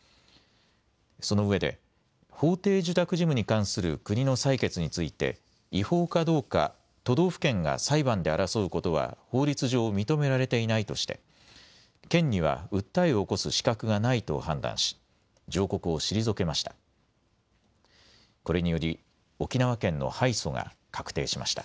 そのうえで法定受託事務に関する国の裁決について違法かどうか都道府県が裁判で争うことは法律上、認められていないとして県には訴えを起こす資格がないと判断し上告を退けました。